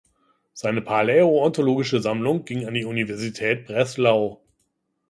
Seine paläontologische Sammlung ging an die Universität Breslau.